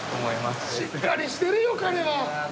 しっかりしてるよ彼は。